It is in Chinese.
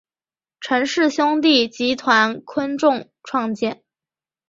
陈氏兄弟集团昆仲创建。